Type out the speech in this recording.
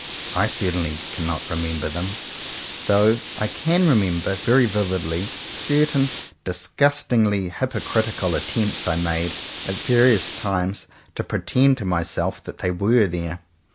I certainly cannot remember them; though I can remember very vividly certain disgust ingly hypocritical attempts I made at various times to pretend to myself that they were there.